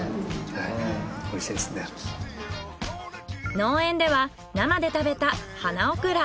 農園では生で食べた花オクラ。